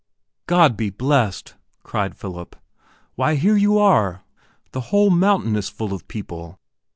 "God be blessed," cried Philip, "why here you are. The whole mountain is full of people.